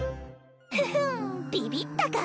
フフンビビったか？